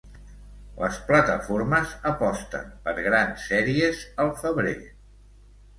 Les plataformes aposten per grans sèries al febrer.